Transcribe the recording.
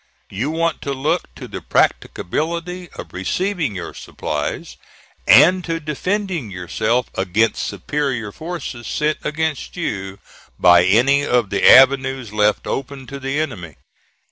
You want to look to the practicability of receiving your supplies, and to defending yourself against superior forces sent against you by any of the avenues left open to the enemy.